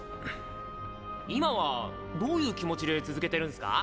今はどういう気持ちで続けてるんすか？